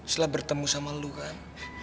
setelah bertemu sama lu kan